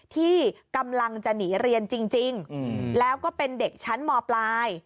ที่กำลังจะหนีเรียนจริงแล้วก็เป็นเด็กชั้นมปลาย